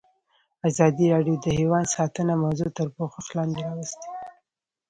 ازادي راډیو د حیوان ساتنه موضوع تر پوښښ لاندې راوستې.